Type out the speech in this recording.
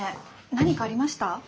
何かありました？